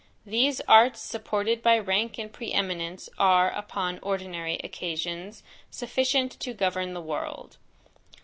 These arts, supported by rank and pre eminence, are, upon ordinary occasions, sufficient to govern the world.